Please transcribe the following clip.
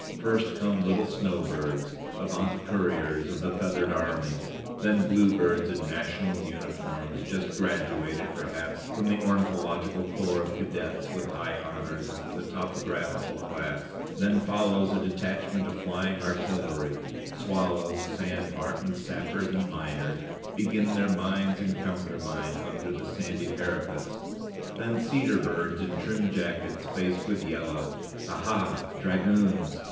First come little snowbirds, avant couriers of the feathered army; then bluebirds in national uniforms, just graduated, perhaps, from the ornithological corps of cadets with high honors in the topographical class; then follows a detachment of flying artillery swallows; sand martens, sappers and miners, begin their mines and countermines under the sandy parapets; then cedar birds, in trim jackets faced with yellow aha, dragoons!